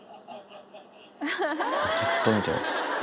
ずっと見てます。